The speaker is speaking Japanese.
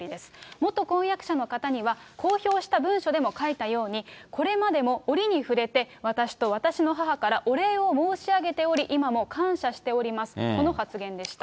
元婚約者の方には、公表した文書でも書いたように、これまでも折に触れて、私と私の母からお礼を申し上げており、今も感謝しております、この発言でした。